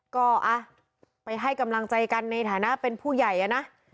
ก็ไปให้กำลังใจกันในฐานะเป็นผู้ใหญ่นะ